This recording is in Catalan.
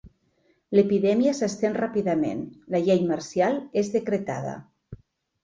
L'epidèmia s'estén ràpidament, la llei marcial és decretada.